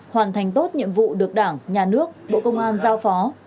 hoàn thành tốt nhiệm vụ được đảng nhà nước bộ công an giao phó